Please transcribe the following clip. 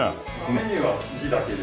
メニューは字だけで。